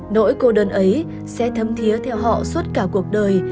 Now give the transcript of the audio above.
nỗi cô đơn ấy sẽ thấm thiế theo họ suốt cả cuộc đời